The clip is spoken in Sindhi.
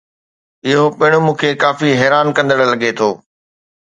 اهو پڻ مون کي ڪافي حيران ڪندڙ لڳي ٿو.